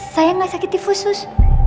saya gak sakit tifus sus